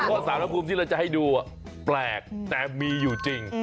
เพราะสารภูมิที่เราจะให้ดูแปลกแต่มีอยู่จริง